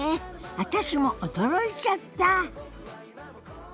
私も驚いちゃった！